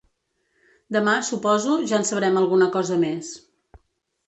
Demà, suposo, ja en sabrem alguna cosa més.